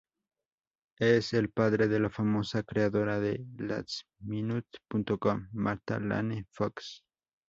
Es el padre de la famosa creadora de "lastminute.com", Martha Lane Fox.